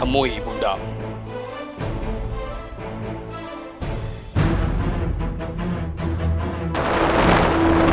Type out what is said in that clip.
aku seorang kena